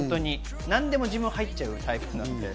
何でも自分入っちゃうタイプなので。